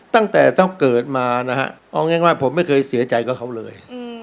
ตั้งแต่ต้องเกิดมานะฮะเอาง่ายผมไม่เคยเสียใจกับเขาเลย